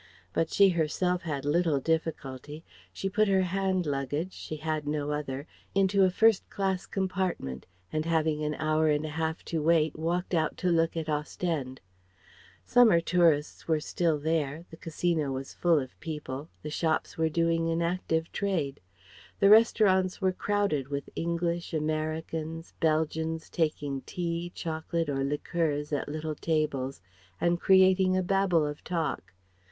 But she herself had little difficulty. She put her hand luggage she had no other into a first class compartment, and having an hour and a half to wait walked out to look at Ostende. Summer tourists were still there; the Casino was full of people, the shops were doing an active trade; the restaurants were crowded with English, Americans, Belgians taking tea, chocolate, or liqueurs at little tables and creating a babel of talk.